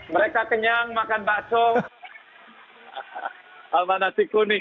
mereka kenyang makan bakso